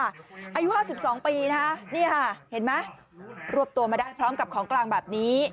อายุ๕๒ปีนะคะนี่ค่ะเห็นไหมรวบตัวมาได้พร้อมกับของกลางแบบนี้